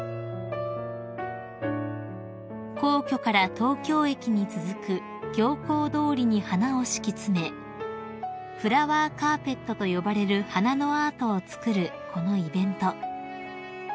［皇居から東京駅に続く行幸通りに花を敷き詰めフラワーカーペットと呼ばれる花のアートをつくるこのイベント］